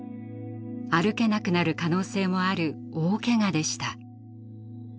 歩けなくなる可能性もある大けがでした。